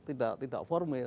jadi menanyanya ini tidak formel